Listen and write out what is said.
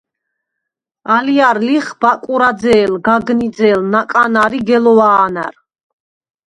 ალჲარ ლიხ: ბაკურაძე̄ლ, გაგნიძე̄ლ, ნაკანარ ი გელოვა̄ნარ.